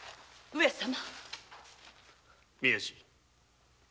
上様。